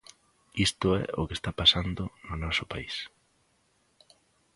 Isto é o que está pasando no noso país.